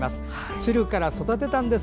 つるから育てたんです。